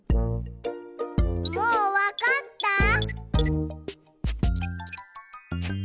もうわかった？